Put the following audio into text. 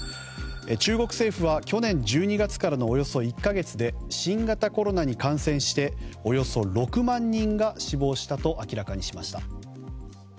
中国政府は去年１２月からのおよそ１か月で新型コロナに感染しておよそ６万人が死亡したと明らかにしました。